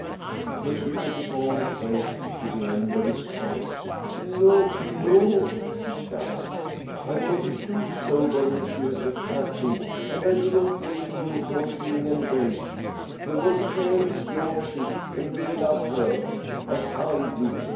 Monsieur Pettipon quaked to the end of his toes. "No, no!" he stammered. "I am only too sober, monsieur the captain, and I do not blame you for being enraged. The Voltaire is your ship, and you love her, as I do.